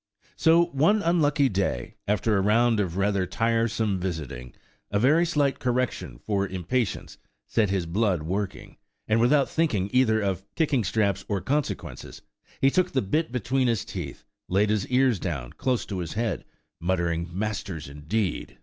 So, one unlucky day, after a round of rather tiresome visiting, a very slight correction for impatience set his blood working; and, without thinking either of kicking straps or consequences, he took the bit between his teeth, laid his ears down, close to his head, muttering; "Masters indeed!"